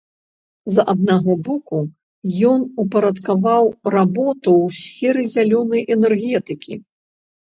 З аднаго боку, ён упарадкаваў работу ў сферы зялёнай энергетыкі.